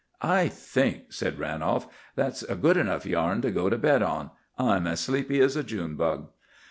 "I think," said Ranolf, "that's a good enough yarn to go to bed on. I'm as sleepy as a June bug."